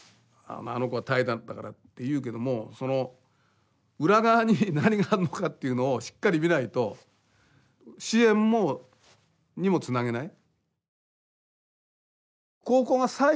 「あの子は怠惰だから」って言うけどもその裏側に何があんのかっていうのをしっかり見ないと支援にもつなげない。